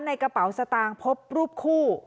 ในกระเป๋าสตางค์พบรูปคู่